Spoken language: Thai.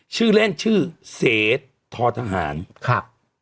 ชื่อเล่นชื่อเสทอทหารครับ